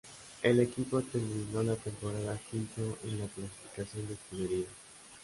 El equipo terminó la temporada quinto en la clasificación de escuderías.